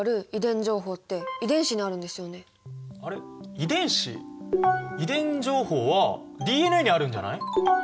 遺伝子？遺伝情報はＤＮＡにあるんじゃない？